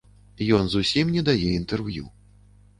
Ён зусім не дае інтэрв'ю.